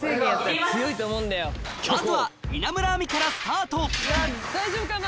まずは稲村亜美からスタート大丈夫かな？